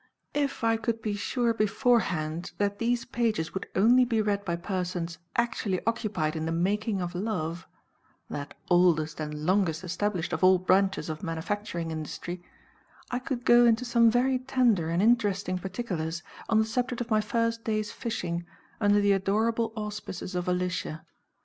If I could be sure beforehand that these pages would only be read by persons actually occupied in the making of love that oldest and longest established of all branches of manufacturing industry I could go into some very tender and interesting particulars on the subject of my first day's fishing, under the adorable auspices of Alicia.